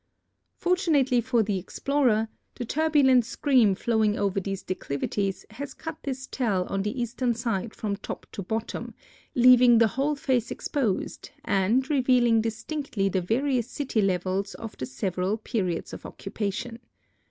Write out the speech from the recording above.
Fortunately for the explorer, the turbulent stream flowing over these declivities has cut this tel on the eastern side from top to bottom, leaving the whole face exposed and revealing distinctly the various city levels of the several periods of occupation.